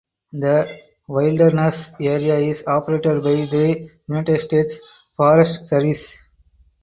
The wilderness area is operated by the United States Forest Service.